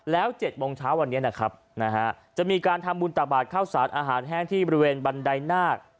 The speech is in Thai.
แล้ว๗โมงเช้าวันนี้นะครับจะมีการทำบุญตักบาทข้าวสารอาหารแห้งที่บริเวณบันไดนาค